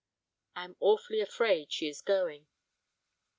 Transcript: I am awfully afraid she is going.